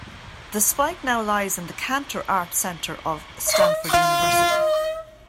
The spike now lies in the Cantor Arts Center at Stanford University.